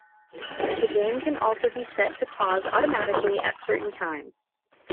The game can also be set to pause automatically at certain times.